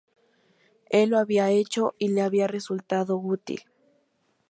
Él lo había hecho y le había resultado útil.